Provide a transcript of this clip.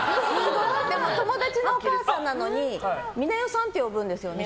友達のお母さんなのに美奈代さんって呼ぶんですよ。